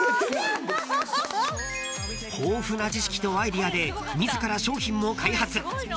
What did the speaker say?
［豊富な知識とアイデアで自ら商品も開発］